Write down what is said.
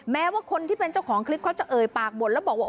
แม้ว่าคนที่เป็นเจ้าของคลิปเขาจะเอ่ยปากบ่นแล้วบอกว่า